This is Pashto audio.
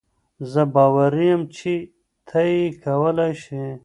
زۀ باوري يم چې تۀ یې کولای شې.